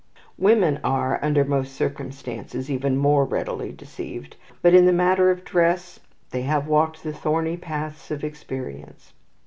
Women are, under most circumstances, even more readily deceived; but, in the matter of dress, they have walked the thorny paths of experience.